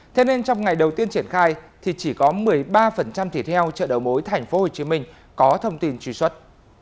thế nên trong ngày đầu tiên triển khai thì chỉ có một mươi ba thịt heo chợ đầu mối tp hcm có thông tin truy xuất